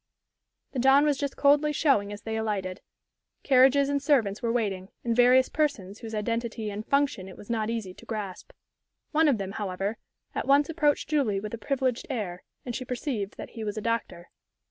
The dawn was just coldly showing as they alighted. Carriages and servants were waiting, and various persons whose identity and function it was not easy to grasp. One of them, however, at once approached Julie with a privileged air, and she perceived that he was a doctor.